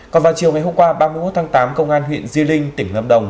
còn vào chiều ngày hôm qua ba mươi một tháng tám công an huyện di linh tỉnh lâm đồng